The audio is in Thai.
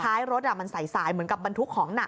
ท้ายรถมันสายเหมือนกับบรรทุกของหนัก